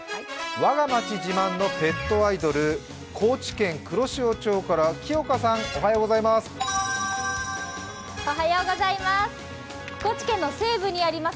「我が町自慢のペットアイドル」、高知県黒潮町から木岡さん、おはようございます。